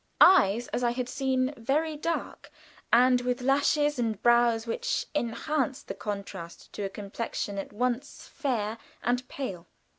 Eyes, as I had seen, very dark, and with lashes and brows which enhanced the contrast to a complexion at once fair and pale.